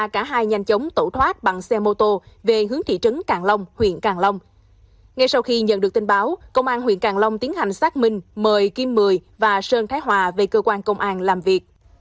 công an huyện càng long tiến hành xác minh mời kim mười và sơn thái hòa về cơ quan công an làm việc